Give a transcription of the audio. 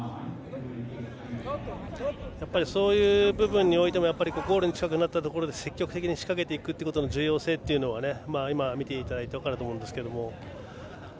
そういう部分においてもゴールに近いところで積極的に仕掛けていくことの重要性は今、見ていただいて分かると思うんですけど。